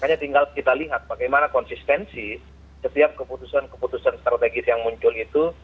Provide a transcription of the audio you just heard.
hanya tinggal kita lihat bagaimana konsistensi setiap keputusan keputusan strategis yang muncul itu